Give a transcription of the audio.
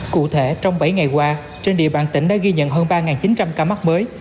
cụ thể trong bảy ngày qua trên địa bàn tỉnh đã ghi nhận hơn ba chín trăm linh ca mắc mới